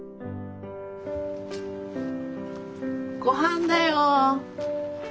ごはんだよ。